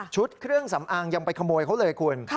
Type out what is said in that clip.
เครื่องสำอางยังไปขโมยเขาเลยคุณ